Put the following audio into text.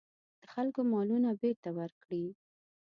د خلکو مالونه بېرته ورکړي.